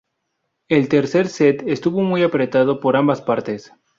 El tercer set estuvo muy apretado por ambas partes.